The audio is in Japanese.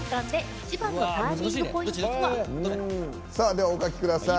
では、お書きください。